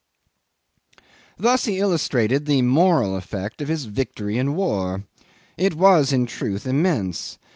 ..." 'Thus he illustrated the moral effect of his victory in war. It was in truth immense.